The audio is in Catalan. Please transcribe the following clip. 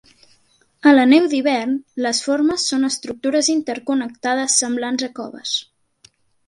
A la neu d'hivern, les formes són estructures interconnectades semblants a coves.